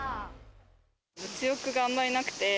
物欲があんまりなくて。